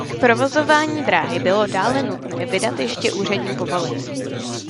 K provozování dráhy bylo dále nutné vydat ještě úřední povolení.